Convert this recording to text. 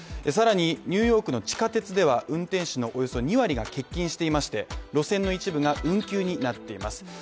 さらに、ニューヨークの地下鉄では、運転手のおよそ２割が欠勤していまして、路線の一部が運休になっています。